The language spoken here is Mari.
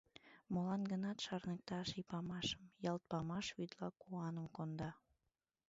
Молан-гынат шарныкта ший памашым — ялт памаш вӱдла куаным конда.